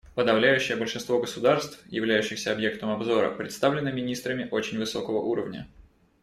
Подавляющее большинство государств, являющихся объектом обзора, представлено министрами очень высокого уровня.